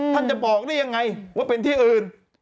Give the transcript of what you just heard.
จะบอกได้ยังไงว่าเป็นที่อื่น